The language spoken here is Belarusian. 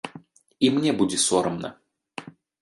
І мне будзе сорамна.